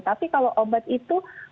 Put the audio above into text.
tapi kalau obat itu